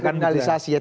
ya karena katakan betul